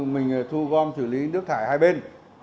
mình thu gom xử lý nước thải hai bên